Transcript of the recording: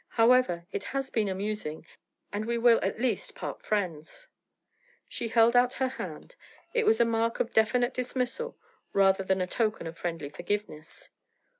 However, it has been amusing, and we will at least part friends.' She held out her hand; it was a mark of definite dismissal rather than a token of friendly forgiveness.